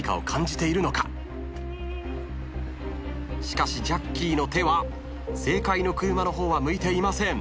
しかしジャッキーの手は正解の車の方は向いていません。